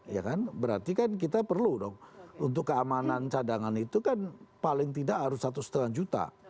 ya kan berarti kan kita perlu dong untuk keamanan cadangan itu kan paling tidak harus satu lima juta